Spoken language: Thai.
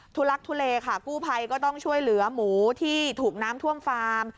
ลักทุเลค่ะกู้ภัยก็ต้องช่วยเหลือหมูที่ถูกน้ำท่วมฟาร์ม